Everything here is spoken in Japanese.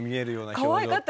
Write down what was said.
かわいかった。